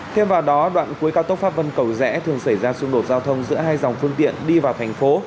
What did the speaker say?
thêm vào đó đoạn cuối cao tốc pháp vân cầu rẽ thường xảy ra xung đột giao thông giữa hai dòng phương tiện đi vào thành phố